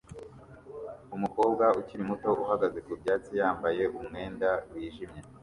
Umukobwa ukiri muto uhagaze ku byatsi yambaye umwenda wijimye